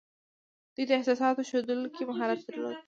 دوی د احساساتو ښودلو کې مهارت درلود